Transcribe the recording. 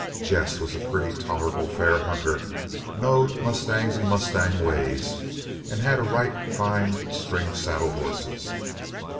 Jess was a pretty tolerable fair hunter, knowed mustangs and mustang ways, and had a right fine string of saddle hosses.